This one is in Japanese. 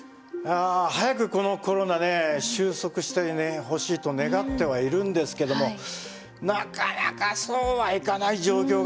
あ早くこのコロナね収束してほしいと願ってはいるんですけどもなかなかそうはいかない状況が続いてますね。